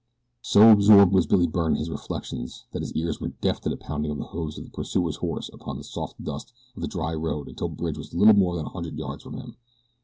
So absorbed was Billy Byrne in his reflections that his ears were deaf to the pounding of the hoofs of the pursuer's horse upon the soft dust of the dry road until Bridge was little more than a hundred yards from him.